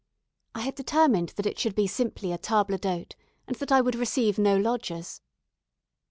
I had determined that it should be simply a table d'hôte, and that I would receive no lodgers.